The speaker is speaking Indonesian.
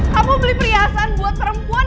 kamu beli perhiasan buat perempuan